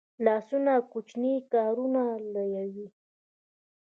لاسونه کوچني کارونه لویوي